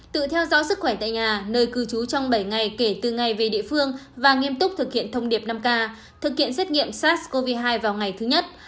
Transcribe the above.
tự theo dõi sức khỏe tại nhà nơi cư trú trong bảy ngày kể từ ngày về địa phương và nghiêm túc thực hiện thông điệp năm k thực hiện xét nghiệm sars cov hai vào ngày thứ nhất